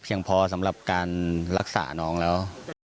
ยังพอสำหรับการรักษาน้องแล้ว